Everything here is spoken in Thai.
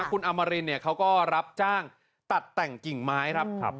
คุณอมรินเนี่ยเขาก็รับจ้างตัดแต่งกิ่งไม้ครับ